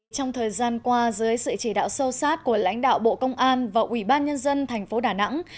trong thời gian qua dưới sự chỉ đạo sâu sát của lãnh đạo bộ công an và ủy ban nhân dân thành phố đà nẵng